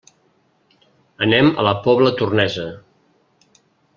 Anem a la Pobla Tornesa.